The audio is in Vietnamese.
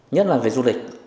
nhất là về du lịch